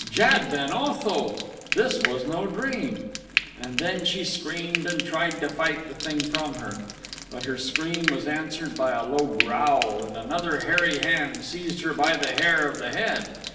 Jad ben Otho! this was no dream. And then she screamed and tried to fight the thing from her; but her scream was answered by a low growl and another hairy hand seized her by the hair of the head.